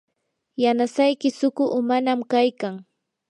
yanasayki suqu umanam kaykan.